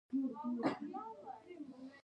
آیا دوی د کانونو په اړه خبرې نه کوي؟